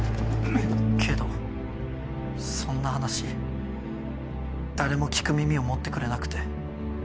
けどそんな話誰も聞く耳を持ってくれなくて。